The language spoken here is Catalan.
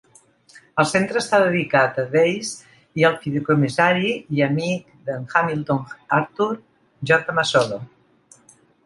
El centre està dedicat a Days i al fideïcomissari i amic de"n Hamilton Arthur J. Massolo.